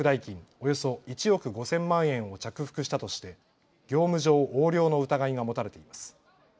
およそ１億５０００万円を着服したとして業務上横領の疑いが持たれています。